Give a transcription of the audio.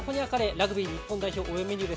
ラグビー日本代表応援メニュー